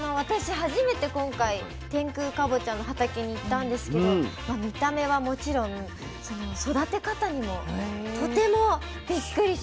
初めて今回天空かぼちゃの畑に行ったんですけど見た目はもちろんその育て方にもとてもびっくりしました。